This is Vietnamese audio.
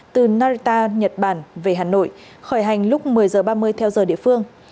từ narita nhật bản về hà nội khởi hành lúc một mươi h ba mươi theo giờ địa phương